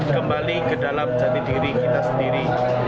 kembali ke dalam jati diri kita sendiri